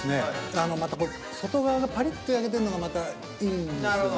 あのまたこう外側がパリッと焼けてるのがまたいいんですよね。